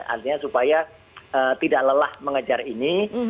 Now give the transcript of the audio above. artinya supaya tidak lelah mengejar ini